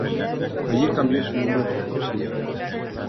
Allí cambió su nombre por Lucía.